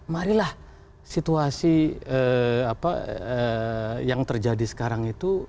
marilah situasi yang terjadi sekarang itu